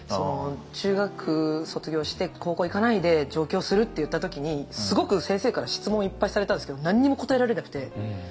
中学卒業して高校行かないで上京するって言った時にすごく先生から質問いっぱいされたんですけど何にも答えられなくて。